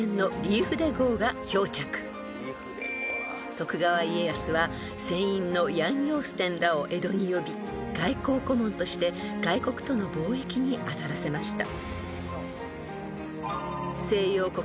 ［徳川家康は船員のヤン・ヨーステンらを江戸に呼び外交顧問として外国との貿易にあたらせました］